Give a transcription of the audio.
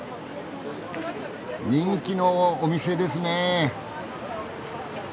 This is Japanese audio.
人気のお店ですねえ！